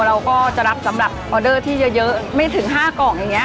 เราก็จะรับสำหรับที่เยอะเยอะไม่ถึงห้ากล่องอย่างเงี้ย